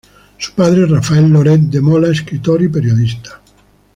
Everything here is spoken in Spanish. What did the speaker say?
Su padre, Rafael Loret de Mola, escritor y periodista.